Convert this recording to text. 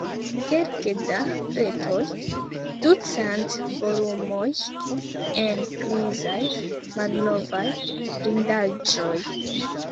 Kelke da bretoj, ducent volumoj en grizaj, malnovaj bindaĵoj.